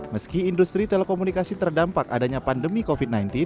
meski industri telekomunikasi terdampak adanya pandemi covid sembilan belas